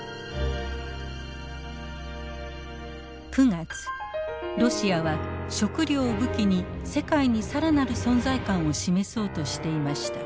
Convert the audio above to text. ９月ロシアは食料を武器に世界に更なる存在感を示そうとしていました。